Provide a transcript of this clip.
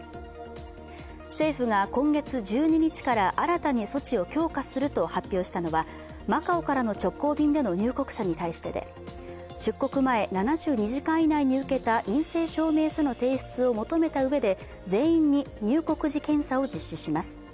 政府が今月１２日から新たに措置を強化すると発表したのはマカオからの直航便の入国者に対してで出国前７２時間以内に受けた陰性証明書の提出を求めたうえで全員に入国時検査を実施します。